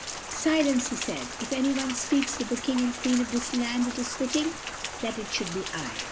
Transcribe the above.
"Silence," he said, "if anyone speaks with the King and Queen of this land it is fitting that it should be I.